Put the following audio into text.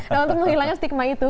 nah untuk menghilangkan stigma itu